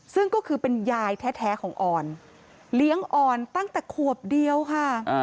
ซึ่งก็คือเป็นยายแท้ของออนเลี้ยงอ่อนตั้งแต่ขวบเดียวค่ะ